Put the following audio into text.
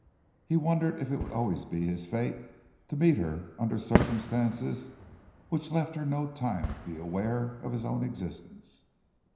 He wondered if it would always be his fate to meet her under circumstances which left her no time to be aware of his own existence.